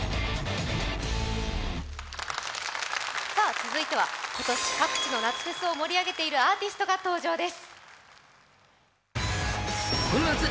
続いては今年、各地の夏フェスを盛り上げているアーティストが登場です。